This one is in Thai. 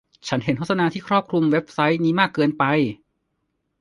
ฉันเห็นโฆษณาที่ครอบคลุมเว็บไซต์นี้มากเกินไป